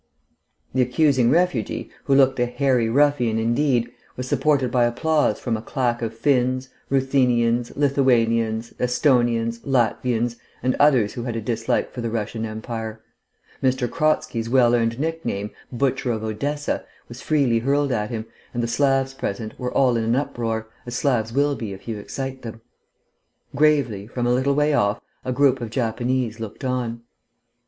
The accusing refugee, who looked a hairy ruffian indeed, was supported by applause from a claque of Finns, Ruthenians, Lithuanians, Esthonians, Latvians, and others who had a dislike for the Russian Empire. M. Kratzky's well earned nickname, "Butcher of Odessa," was freely hurled at him, and the Slavs present were all in an uproar, as Slavs will be if you excite them. Gravely, from a little way off, a group of Japanese looked on.